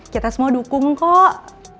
kita semua dukung kok